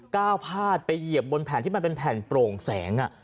ก้าวพาดไปเหยียบบนแผ่นที่มันเป็นแผ่นโปร่งแสง